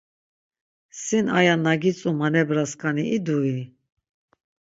Sin aya na gitzu manebraskani idui?